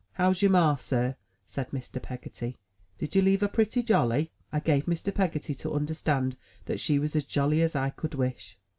"How's your Ma, Sir," said Mr. Peggotty. "Did you leave her pretty jolly?" I gave Mr. Peggotty to understand that she was as jolly as I could wish.